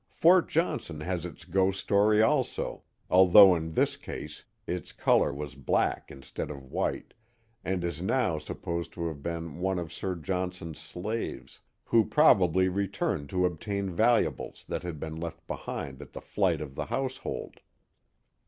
Fort Johnson has its ghost story also, although in this case its color was black instead of white, and is now supposed to have been one of Sir John Johnson's slaves, who probably re turned to obtain valuables that had been left behind at the flight of the household.